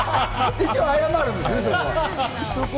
一応、謝るんですね。